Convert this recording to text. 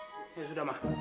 ya sudah mah